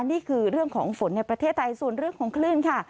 นี่คือเรื่องของฝนในประเทศไทยส่วนเรื่องของคลื่นค่ะ